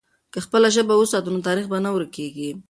که خپله ژبه وساتو، نو تاریخ به نه ورکېږي.